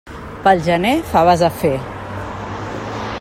Pel gener, faves a fer.